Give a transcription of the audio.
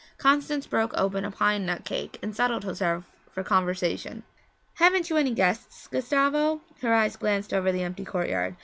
Constance broke open a pine nut cake and settled herself for conversation. 'Haven't you any guests, Gustavo?' Her eyes glanced over the empty courtyard.